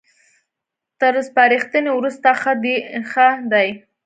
تر سپارښتنې وروسته ښه ديښه دي